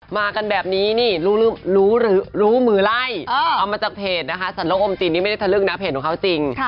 มากันแบบนี้รู้มือไรเอามาจากเพจสนลกกมนิเศษจริง